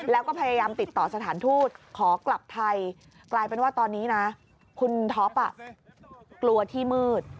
แล้วก็พยายามติดต่อสถานทูตขอกลับไทยกลายเป็นว่าตอนนี้นะคุณท็อปกลัวที่มืด